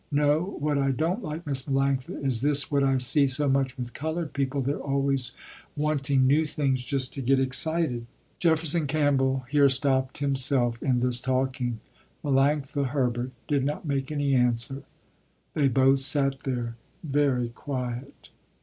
No, what I don't like, Miss Melanctha, is this what I see so much with the colored people, their always wanting new things just to get excited." Jefferson Campbell here stopped himself in this talking. Melanctha Herbert did not make any answer. They both sat there very quiet.